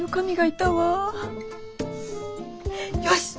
よし！